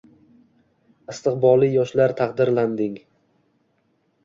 Istiqbolli yoshlar taqdirlanding